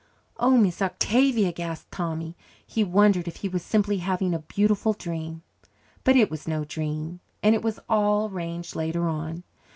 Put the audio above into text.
"Oh, Miss Octavia!" gasped Tommy. He wondered if he were simply having a beautiful dream. But it was no dream. And it was all arranged later on.